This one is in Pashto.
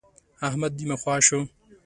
احمد نيمه خوا شو.